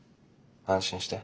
安心して。